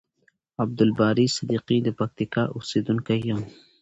عبدالباری صدیقی د پکتیکا اوسیدونکی یم.